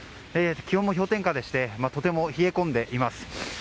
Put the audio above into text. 気温も氷点下でしてとても冷え込んでいます。